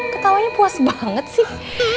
ketawanya puas banget sih